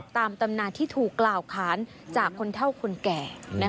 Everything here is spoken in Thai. ตามตำนานที่ถูกกล่าวค้านจากคนเท่าคนแก่